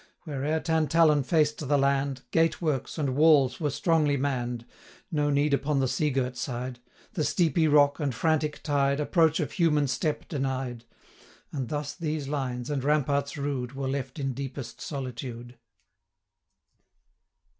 50 Where'er Tantallon faced the land, Gate works, and walls, were strongly mann'd; No need upon the sea girt side; The steepy rock, and frantic tide, Approach of human step denied; 55 And thus these lines, and ramparts rude, Were left in deepest solitude.